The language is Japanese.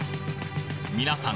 皆さん